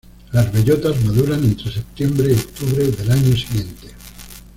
Las bellotas maduran entre septiembre y octubre del año siguiente.